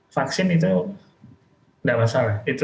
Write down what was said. vaksin itu tidak masalah